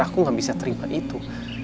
aku gak bisa terima itu